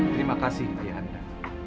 terima kasih ayah anda